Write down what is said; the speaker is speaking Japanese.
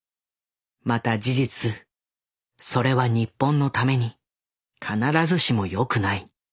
また事実それは日本のために必ずしもよくない。